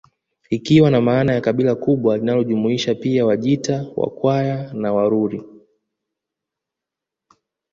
Ikiwa na maana ya kabila kubwa linalojumuisha pia Wajita Wakwaya na Waruri